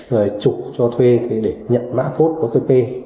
rồi trục cho thuê để nhận mã code otp